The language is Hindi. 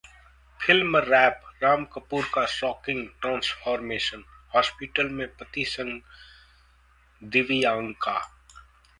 Film Wrap: राम कपूर का शॉकिंग ट्रांसफॉर्मेशन, हॉस्पिटल में पति संग दिव्यांका